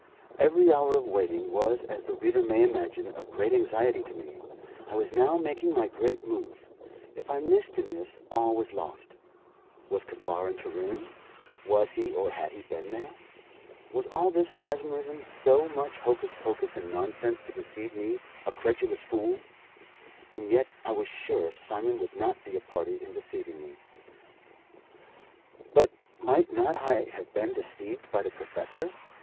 Every hour of waiting was, as the reader may imagine, of great anxiety to me. I was now making my great move. If I missed in this, all was lost. Was Kaffar in Turin? Was he or had he been there? Was all this mesmerism so much hocus pocus and nonsense to deceive me, a credulous fool? And yet I was sure Simon would not be a party in deceiving me. But might not I have been deceived by the professor?